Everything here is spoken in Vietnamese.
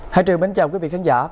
hãy trừ mình chào quý vị khán giả